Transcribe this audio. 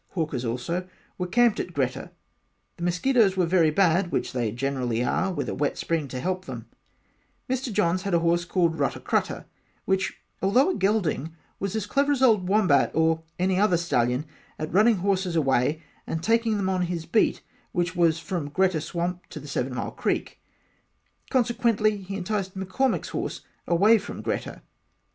hawkers also were camped in Greta the mosquitoes were very bad which they generally are in a wet spring and to help them Mr. Johns had a horse called Ruita Cruta although a gelding was as clever as old Wombat or any other Stallion at running horses away and taking them on his beat which was from Greta swamp to the seven mile creek consequently he enticed McCormack's horse away from Greta.